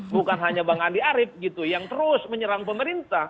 bukan hanya bang andi arief gitu yang terus menyerang pemerintah